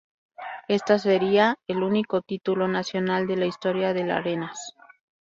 Este sería el único título nacional de la historia del Arenas.